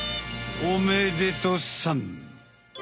おめでとさん。